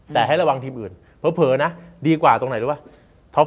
แต่ให้ระวังทีมอื่นเผลอนะดีกว่าตรงไหนรู้ป่ะ